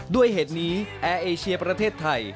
ด้วยเหตุนี้แอร์เอเชียประเทศไทย